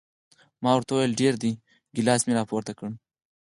ما ورته وویل ډېر دي، ګیلاس مې را پورته کړ.